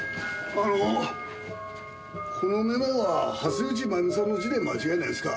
あのこのメモは橋口まゆみさんの字で間違いないですか？